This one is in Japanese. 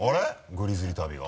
グリズリー旅が？